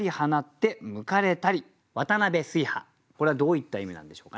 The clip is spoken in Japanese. これはどういった意味なんでしょうかね？